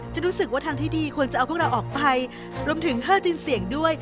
จะรู้สึกว่าทางที่ดีควรจะเอาพวกเราออกไปรวมถึง๕จินเสี่ยงด้วย